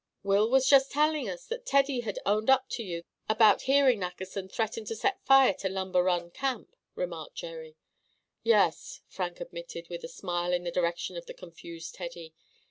"Will was just telling us that Teddy had owned up to you about hearing Nackerson threaten to set fire to Lumber Run Camp," remarked Jerry. "Yes," Frank admitted, with a smile in the direction of the confused Teddy.